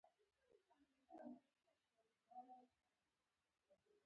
رومیان له ماشوم سره ملګري دي